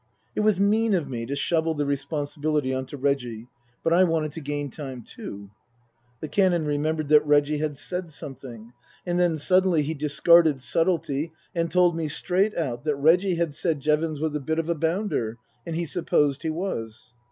It was mean of me to shovel the responsibility on to Reggie, but I wanted to gain time, too. The Canon remembered that Reggie had said some thing. And then suddenly he discarded subtlety and told me straight out that Reggie had said Jevons was a bit of a bounder, and he supposed he was.